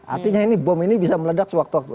artinya ini bom ini bisa meledak sewaktu waktu